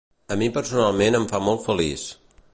A mi personalment em fa molt feliç.